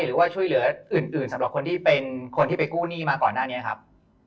หรือว่าช่วยเหลืออื่นสำหรับคนที่เป็นคนที่ไปกู้หนี้มาก่อนหน้านี้ครับ